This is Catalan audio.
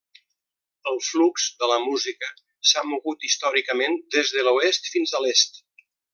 El flux de la música s'ha mogut històricament des de l'oest fins a l'est.